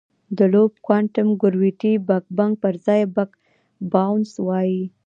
د لوپ کوانټم ګرویټي بګ بنګ پر ځای بګ باؤنس وایي.